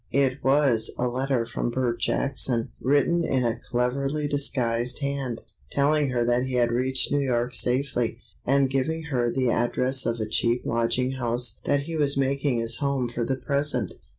It was a letter from Bert Jackson written in a cleverly disguised hand, telling her that he had reached New York safely, and giving her the address of a cheap lodging house that he was making his home for the present.